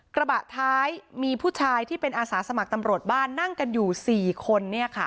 กระบะท้ายมีผู้ชายที่เป็นอาสาสมัครตำรวจบ้านนั่งกันอยู่๔คน